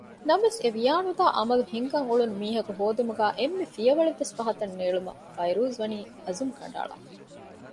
ނަމަވެސް އެވިޔާނުދާ ޢަމަލު ހިންގަން އުޅުނު މީހަކު ހޯދުމުގައި އެންމެ ފިޔަވަޅެއްވެސް ފަހަތަށް ނޭޅުމަށް ފައިރޫޒްވަނީ އަޒުމު ކަނޑައަޅާފަ